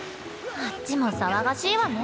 あっちも騒がしいわね。